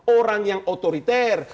orang yang otoriter